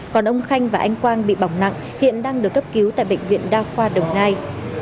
còn ông khanh và anh quang bị bỏng nặng hiện đang được cấp cứu tại bệnh viện đa khoa đồng nai